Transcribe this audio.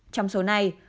trong số này